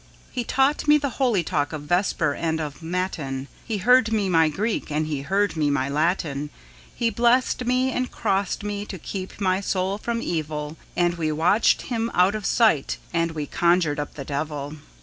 He taught me the holy talk of Vesper and of Matin, He heard me my Greek and he heard me my Latin, He blessed me and crossed me to keep my soul from evil, And we watched him out of sight, and we conjured up the devil!